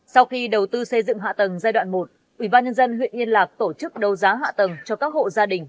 sau khi đầu tư xây dựng hạ tầng giai đoạn một ủy ban nhân dân huyện yên lạc tổ chức đầu giá hạ tầng cho các hộ gia đình